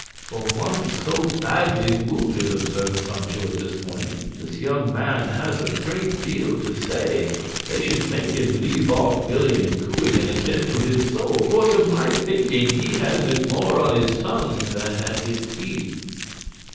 "For one so badly wounded," observed Sancho at this point, "this young man has a great deal to say; they should make him leave off billing and cooing, and attend to his soul; for to my thinking he has it more on his tongue than at his teeth."